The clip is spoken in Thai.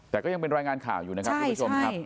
แต่ก็ยังเป็นรายงานข่าวอยู่นะครับทุกผู้ชมครับ